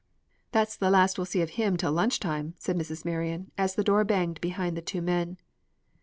"That's the last we'll see of him till lunch time," said Mrs. Marion, as the door banged behind the two men.